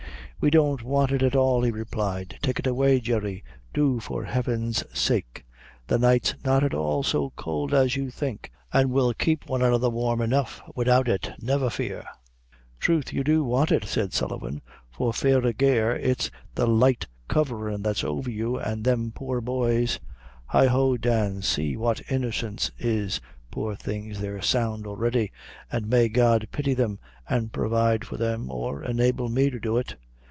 "We don't want it at all," he replied; "take it away, Jerry do, for heaven's sake. The night's not at all so cowld as you think, an' we'll keep one another warm enough wid out it, never fear." "Troth you do want it," said Sullivan; "for fareer gair, it's the light coverin' that's over you an' them, poor boys. Heighho, Dan, see what innocence is poor things, they're sound already an' may God pity them an' provide for them, or enable me to do it!"